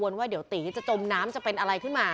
ไม่ทำไม่ทำ